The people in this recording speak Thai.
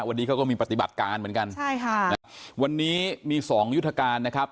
วันนี้เขาก็มีปฏิบัติการเหมือนกันวันนี้มี๒ยุทธการนะครับ